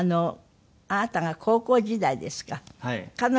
あなたが高校時代ですか？